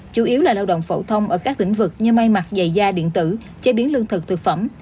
chủ yếu là lao động phổ thông ở các lĩnh vực như may mặt dày da điện tử chế biến lương thực thực phẩm